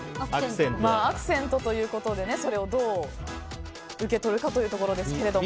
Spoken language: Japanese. アクセントということでそれをどう受け取るかということですけど。